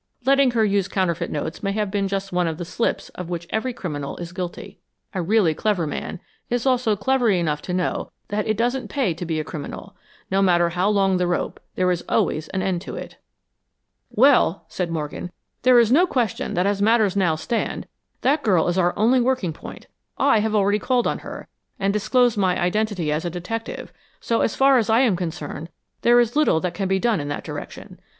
Letting her use counterfeit notes may have been just one of the slips of which every criminal is guilty. A really clever man is also clever enough to know that it doesn't pay to be a criminal. No matter how long the rope, there is always an end to it." "Well," said Morgan, "there's no question that as matters now stand, that girl is our only working point. I have already called on her, and disclosed my identity as a detective, so as far as I am concerned there is little that can be done in that direction.